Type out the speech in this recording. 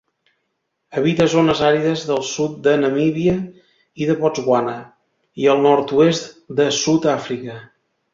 Habita zones àrides del sud de Namíbia i de Botswana i el nord-oest de Sud-àfrica.